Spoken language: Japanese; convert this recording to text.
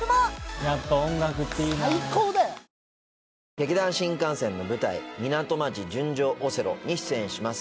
劇団☆新感線の舞台『ミナト町純情オセロ』に出演します。